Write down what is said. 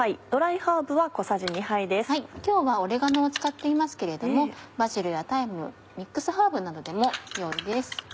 今日はオレガノを使っていますけれどもバジルやタイムミックスハーブなどでもよいです。